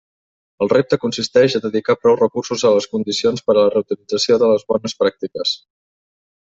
El repte consisteix a dedicar prou recursos a les condicions per a la reutilització de les bones pràctiques.